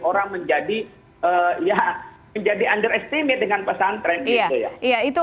orang menjadi ya menjadi underestimate dengan pesan krim itu ya